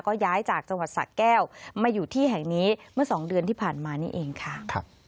ก็ย้ายจากจังหวัดสะแก้วมาอยู่ที่แห่งนี้เมื่อสองเดือนที่ผ่านมานี่เองค่ะ